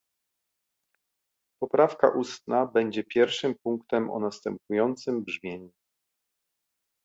Poprawka ustna będzie pierwszym punktem, o następującym brzmieniu